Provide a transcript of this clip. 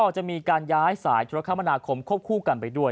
จะมีการย้ายสายธุรกรรมนาคมควบคู่กันไปด้วย